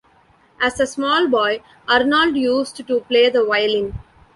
As a small boy, Arnold used to play the violin.